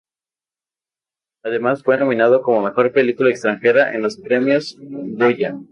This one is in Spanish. Además, fue nominado como Mejor película extranjera en los Premios Goya.